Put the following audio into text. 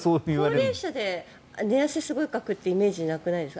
高齢者で寝汗すごいかくイメージなくないですか？